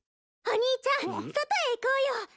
お兄ちゃん外へ行こうよ！